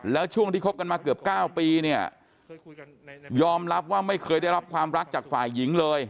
แล้วช่วงที่คบกันมาเกือบ๙ปีเนี่ยยอมรับว่าไม่เคยได้รับความรักจากฝ่ายหญิงเลย